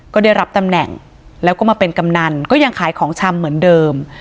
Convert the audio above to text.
ก็ได้รับตำแหน่งแล้วก็มาเป็นกำนันก็ยังขายของชำเหมือนเดิม